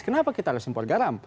kenapa kita harus impor garam